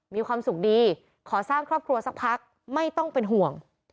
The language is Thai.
มีความสุขดีขอสร้างครอบครัวสักพักไม่ต้องเป็นห่วง